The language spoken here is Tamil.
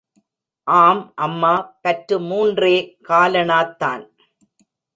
ஆம், அம்மா பற்று மூன்றே காலணாத்தான்.